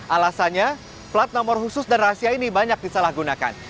alasannya plat nomor khusus dan rahasia ini banyak disalahgunakan